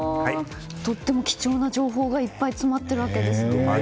とっても貴重な情報がいっぱい詰まっているわけですね。